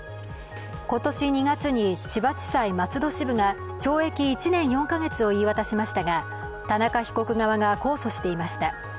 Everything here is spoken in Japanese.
今年２月に千葉地裁松戸支部が懲役１年４か月を言い渡しましたが田中被告側が控訴していました。